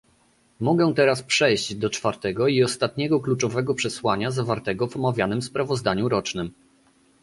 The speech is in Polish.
Mogę teraz przejść do czwartego i ostatniego kluczowego przesłania zawartego w omawianym sprawozdaniu rocznym